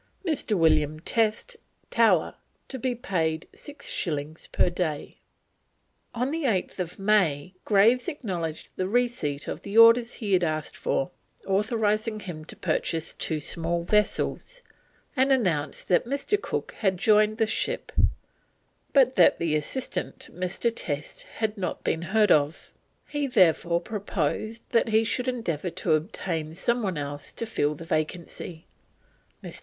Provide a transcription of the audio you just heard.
Mr. William Test, Tower, to be paid 6 shillings per day. On 8th May Graves acknowledged the receipt of the orders he had asked for, authorising him to purchase two small vessels, and announced that Mr. Cook had joined the ship, but that the assistant, Mr. Test, had not been heard of; he therefore proposed that he should endeavour to obtain someone else to fill the vacancy. Mr.